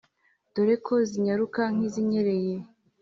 dore ko zinyaruka nk’izinyereye